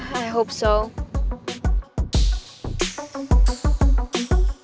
apalagi kalo kalian udah tunangan